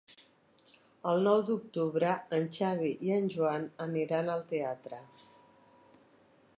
El nou d'octubre en Xavi i en Joan aniran al teatre.